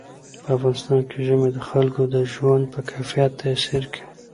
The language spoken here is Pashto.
په افغانستان کې ژمی د خلکو د ژوند په کیفیت تاثیر کوي.